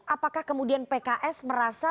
apakah kemudian pks merasa